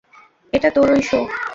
এটা তোরই শো।